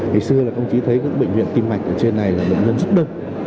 ngày xưa là công chí thấy các bệnh viện tim mạch ở trên này là bệnh viện giúp đỡ